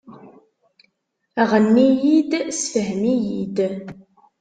Ɣenni-iyi-d, ssefhem-iyi-d